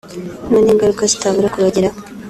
n’ubundi ingaruka zitabura kubageraho